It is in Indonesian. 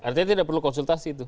artinya tidak perlu konsultasi itu